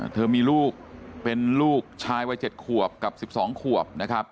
เธอมีลูกเป็นลูกชายวัย๗ขวบกับ๑๒ขวบนะครับ